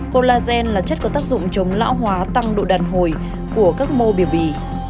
collagen là chất có tác dụng chống lão hóa tăng độ đàn hồi của các mô biểu bì